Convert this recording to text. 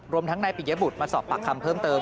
ทั้งนายปิยบุตรมาสอบปากคำเพิ่มเติม